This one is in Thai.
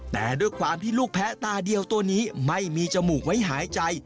แต่ด้วยความที่ลูกแพ้ตาเดียวตัวนี้ไม่มีจมูกไว้หายใจ